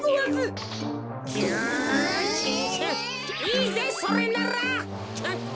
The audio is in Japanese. いいぜそれなら。